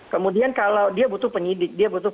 kemudian kalau dia butuh penyidik dia butuh